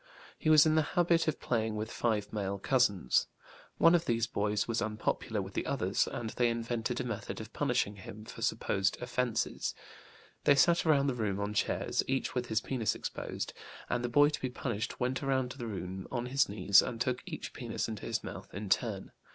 He was in the habit of playing with five male cousins. One of these boys was unpopular with the others, and they invented a method of punishing him for supposed offenses. They sat around the room on chairs, each with his penis exposed, and the boy to be punished went around the room on his knees and took each penis into his mouth in turn.